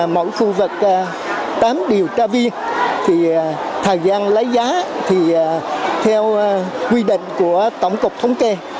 mỗi khu vực tám điều tra viên thì thời gian lấy giá thì theo quy định của tổng cục thống kê